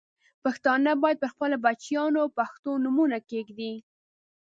پښتانه باید پر خپلو بچیانو پښتو نومونه کښېږدي.